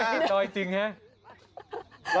รอยจริงฮะ